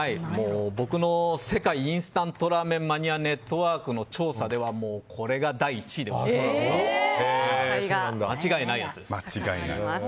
僕の世界インスタントラーメンマニアネットワークの調査ではこれが第１位でございいます。